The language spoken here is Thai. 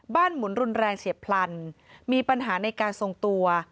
หมุนรุนแรงเฉียบพลันมีปัญหาในการทรงตัว